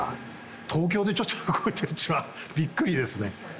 東京でちょっと動いてるっちゅうのはびっくりですね。